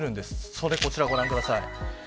それ、こちらご覧ください。